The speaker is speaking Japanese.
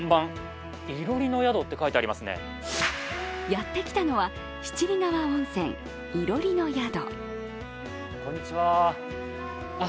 やってきたのは七里川温泉いろりの宿。